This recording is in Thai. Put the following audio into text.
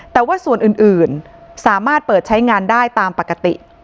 แต่ว่าส่วนอื่นสามารถเปิดใช้งานได้ตามปกติ